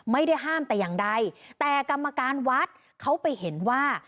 ไม่ได้ห้ามแต่อย่างใดแต่กรรมการวัดเขาไปเห็นว่า